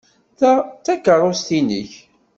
Ta d takeṛṛust-nnek?